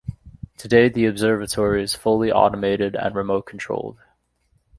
Today the observatory is fully automated and remote controlled.